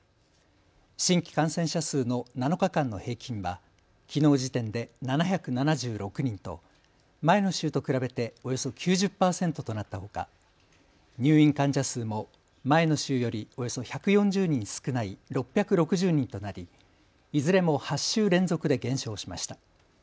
新規感染者数の７日間の平均はきのう時点で７７６人と前の週と比べておよそ９０％となったほか、入院患者数も前の週よりおよそ１４０人少ない６６０人となり、いずれも８週連続で減少しました。